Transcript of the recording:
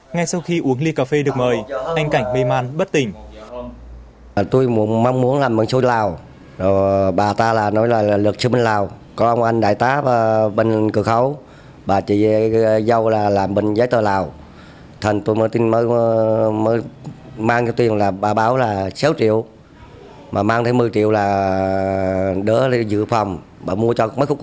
ngay sau khi uống ly cà phê được mời anh cảnh mê man bất tỉnh